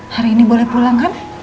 hari ini boleh pulang kan